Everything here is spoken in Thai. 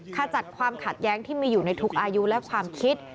ขจัดความขัดแย้งที่มีอยู่ในทุกอายุและความคิด